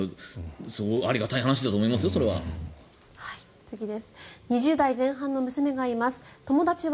ありがたい話だと思いますよ、それは。